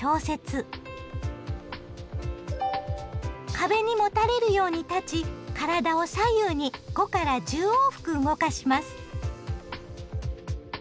壁にもたれるように立ち体を左右に５１０往復動かします。